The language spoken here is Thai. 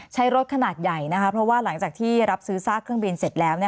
ใช้รถขนาดใหญ่นะคะเพราะว่าหลังจากที่รับซื้อซากเครื่องบินเสร็จแล้ว